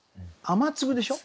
「雨粒」でしょ？